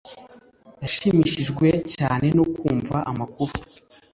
Yashimishijwe cyane no kumva amakuru